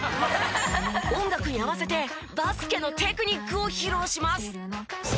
音楽に合わせてバスケのテクニックを披露します。